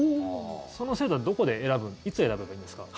その制度はどこで選ぶいつ選べばいいんですか？